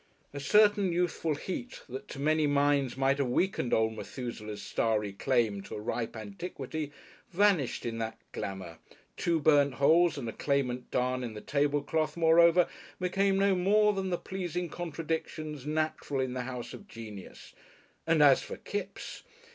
A certain youthful heat that to many minds might have weakened old Methusaleh's starry claim to a ripe antiquity, vanished in that glamour, two burnt holes and a claimant darn in the table cloth, moreover, became no more than the pleasing contradictions natural in the house of genius, and as for Kipps!